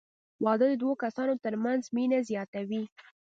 • واده د دوه کسانو تر منځ مینه زیاتوي.